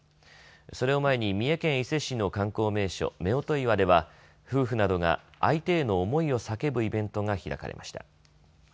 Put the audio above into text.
それを前に三重県伊勢市の観光名所、夫婦岩では夫婦などが相手への思いを叫ぶイベントが開かれました。